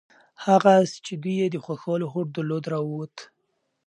هغه آس چې دوی یې د ښخولو هوډ درلود راووت.